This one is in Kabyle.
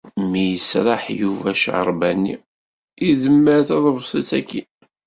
Mi yesraḥ Yuba ccerba-nni, idemmer taḍebsit akkin.